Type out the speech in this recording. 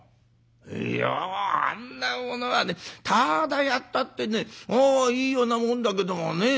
「いやあんなものはねタダでやったってねいいようなもんだけどもね。